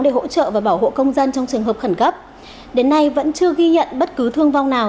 để hỗ trợ và bảo hộ công dân trong trường hợp khẩn cấp đến nay vẫn chưa ghi nhận bất cứ thương vong nào